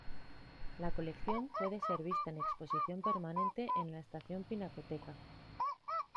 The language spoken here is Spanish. La colección puede ser vista en exposición permanente en la Estación Pinacoteca.